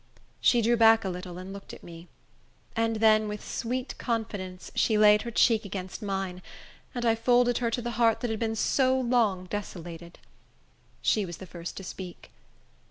She drew back a little, and looked at me; then, with sweet confidence, she laid her cheek against mine, and I folded her to the heart that had been so long desolated. She was the first to speak.